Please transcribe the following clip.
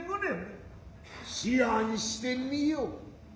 思案して見よう。